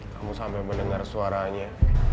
kamu sampai mendengar suaranya